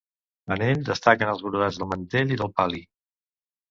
En ell destaquen els brodats del mantell i del pal·li.